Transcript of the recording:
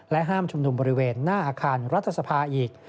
ห้ามชุมนุมบริเวณหน้าอาคารรัฐสภาอีก